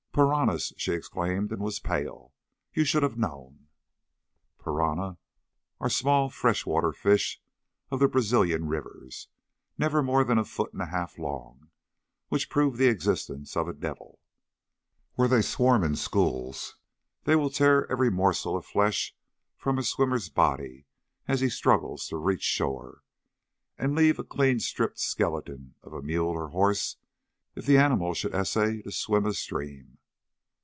"Piranhas!" she exclaimed, and was pale. "You should have known!" Piranhas are small fresh water fish of the Brazilian rivers, never more than a foot and a half long, which prove the existence of a devil. Where they swarm in schools they will tear every morsel of flesh from a swimmer's body as he struggles to reach shore, and leave a clean stripped skeleton of a mule or horse if an animal should essay to swim a stream.